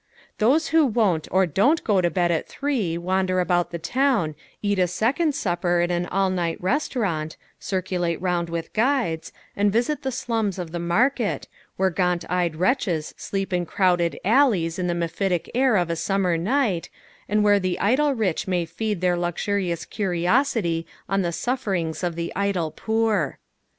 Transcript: Those who won't or don't go to bed at three wander about the town, eat a second supper in an all night restaurant, circulate round with guides, and visit the slums of the Market, where gaunt eyed wretches sleep in crowded alleys in the mephitic air of a summer night, and where the idle rich may feed their luxurious curiosity on the sufferings of the idle poor.